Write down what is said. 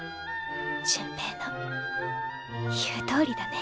潤平の言うとおりだね。